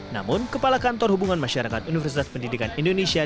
namun kepala kantor hubungan masyarakat universitas pendidikan indonesia